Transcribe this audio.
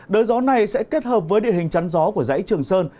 đới gió này sẽ kết hợp với địa hình chắn gió của dãy trường sơn